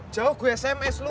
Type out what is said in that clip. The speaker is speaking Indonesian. jauh gue sms lu